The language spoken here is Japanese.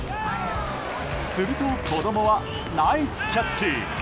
すると、子供はナイスキャッチ！